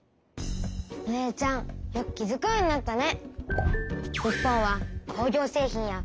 お姉ちゃんよく気づくようになったね。